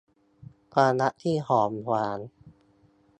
ความรักที่หอมหวาน